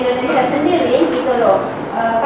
tapi kan kayak pemerintah indonesia